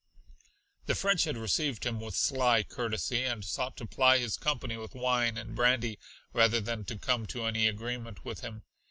The French had received him with sly courtesy and sought to ply his company with wine and brandy rather than to come to any agreement with him.